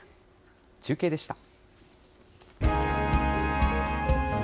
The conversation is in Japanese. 中継でした。